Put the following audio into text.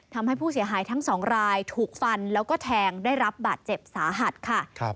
ทำให้ผู้เสียหายทั้งสองรายถูกฟันแล้วก็แทงได้รับบาดเจ็บสาหัสค่ะ